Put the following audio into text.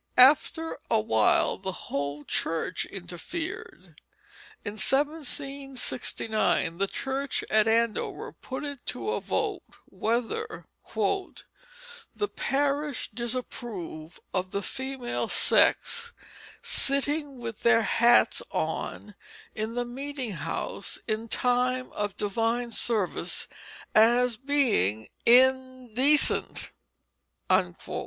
After a while the whole church interfered. In 1769 the church at Andover put it to vote whether "the parish Disapprove of the female sex sitting with their Hats on in the Meeting house in time of Divine Service as being Indecent."